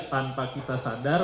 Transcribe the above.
tanpa kita sadar